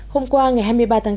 hôm qua ngày hai mươi ba tháng tám